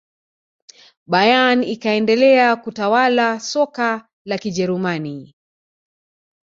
bayern ikaendelea kutawala soka la kijerumani